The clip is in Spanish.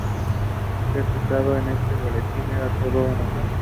Ser citado en este boletín era todo un honor.